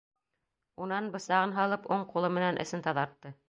Унан, бысағын һалып, уң ҡулы менән эсен таҙартты.